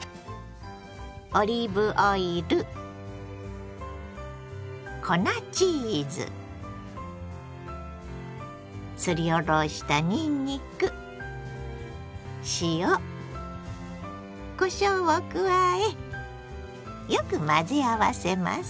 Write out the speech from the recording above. オリーブオイル粉チーズすりおろしたにんにく塩こしょうを加えよく混ぜ合わせます。